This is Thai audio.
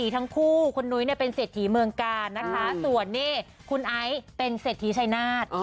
ทั้งคู่คุณนุ้ยเป็นเศรษฐีเมืองกาส่วนนี้คุณไอซ์เป็นเศรษฐีชัยนาศ